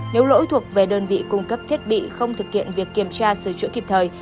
nếu lỗi thuộc về đơn vị cung cấp thiết bị không thực hiện việc kiểm tra sửa chữa kịp thời